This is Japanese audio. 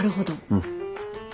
うん。